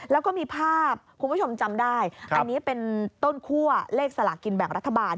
แล้วก็มีภาพคุณผู้ชมจำได้อันนี้เป็นต้นคั่วเลขสลากินแบ่งรัฐบาล